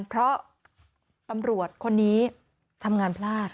เพราะตำรวจคนนี้ทำงานพลาด